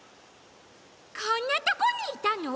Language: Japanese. こんなとこにいたの？